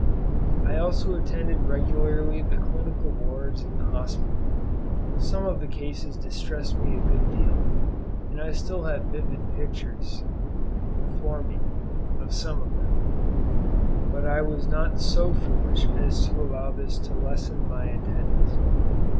I also attended regularly the clinical wards in the hospital. Some of the cases distressed me a good deal, and I still have vivid pictures before me of some of them; but I was not so foolish as to allow this to lessen my attendance.